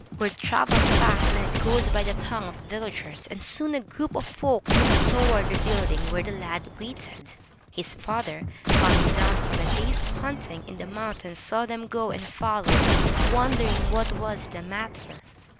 Word travels fast when it goes by the tongues of villagers, and soon a group of folk moved toward the building where the lad waited. His father, coming down from a day's hunting in the mountains, saw them go, and followed, wondering what was the matter.